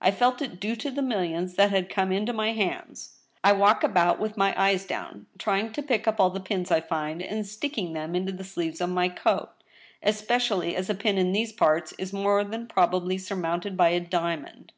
I felt it due to the millions that had come into my hands. I walk about with my eyes down, trying to pick up all .the pins I find, and sticking them into the sleeves of my coat, especially as a pin in these parts is more than probably surmounted by a dia mond.